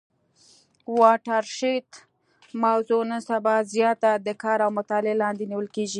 واټر شید موضوع نن سبا زیاته د کار او مطالعې لاندي نیول کیږي.